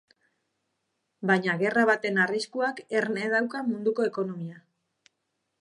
Baina gerra baten arriskuak erne dauka munduko ekonomia.